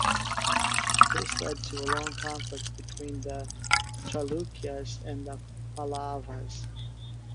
This led to a long conflict between the Chalukyas and the Pallavas.